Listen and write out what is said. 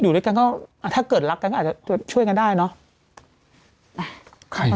อยู่ด้วยกันก็ถ้าเกิดรักกันก็อาจจะช่วยกันได้เนอะ